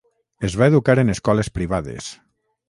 Es va educar en escoles privades.